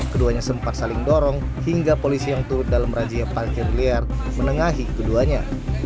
keduanya sempat saling dorong hingga polisi yang turut dalam razia parkir liar menengahi keduanya